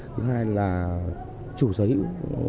thứ hai là chủ sở hữu